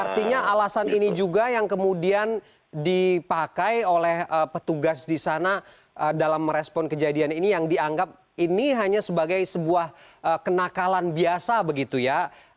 artinya alasan ini juga yang kemudian dipakai oleh petugas di sana dalam merespon kejadian ini yang dianggap ini hanya sebagai sebuah kenakalan biasa begitu ya